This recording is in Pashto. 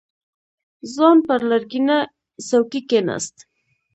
ځوان پر لرګينه څوکۍ کېناست.